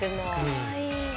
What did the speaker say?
かわいい。